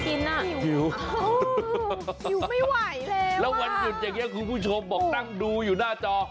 น่ากินน่ะหิวหิวหิวไม่ไหวเลยว่ะแล้ววันหยุดอย่างนี้คุณผู้ชมบอกตั้งดูอยู่หน้าจอ